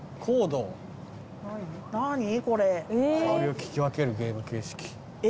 「香りを聞き分けるゲーム形式」